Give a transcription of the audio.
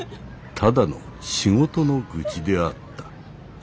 ただの仕事の愚痴であった。